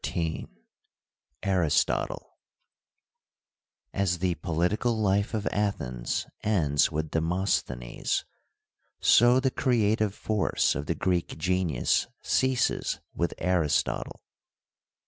XIII. Aristotle As the political life of Athens ends with Demos thenes, so the creative force of the Greek genius ceases with Aristotle.